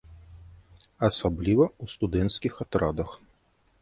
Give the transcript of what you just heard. Асабліва ў студэнцкіх атрадах.